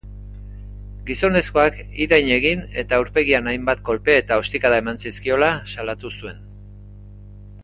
Gizonezkoak irain egin eta aurpegian hainbat kolpe eta ostikada eman zizkiola salatu zuen.